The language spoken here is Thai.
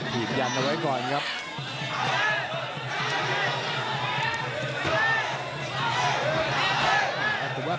ยืนยันเอาไว้ก่อนครับ